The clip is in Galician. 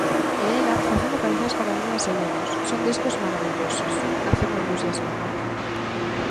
É ela facendo cancións para nenas e nenos, son discos marabillosos, afirma entusiasmado.